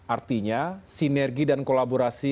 artinya sinergi dan kolaborasi